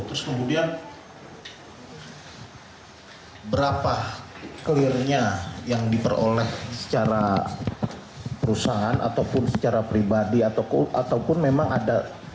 terus kemudian berapa clear nya yang diperoleh secara perusahaan ataupun secara pribadi ataupun memang ada